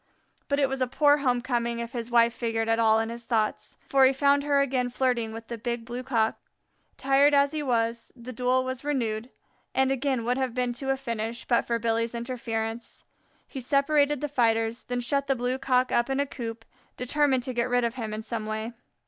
But it was a poor home coming if his wife figured at all in his thoughts, for he found her again flirting with the Big Blue cock. Tired as he was, the duel was renewed, and again would have been to a finish but for Billy's interference. He separated the fighters, then shut the Blue cock up in a coop, determined to get rid of him in some way.